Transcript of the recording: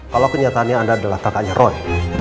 kalau kenyataannya anda adalah kakaknya roy